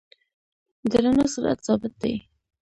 د رڼا سرعت ثابت دی.